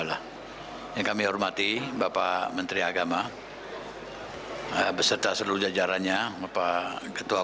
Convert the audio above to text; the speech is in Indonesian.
saya kira ini saja oleh karena itu dpr